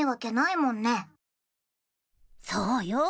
そうよ！